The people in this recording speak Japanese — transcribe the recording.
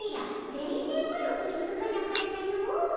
全然マロと気付かなかったのう。